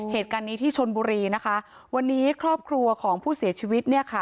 เหตุการณ์นี้ที่ชนบุรีวันนี้ครอบครัวของผู้เสียชีวิต